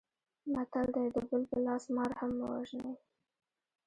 متل دی: د بل په لاس مار هم مه وژنئ.